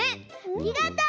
ありがとう！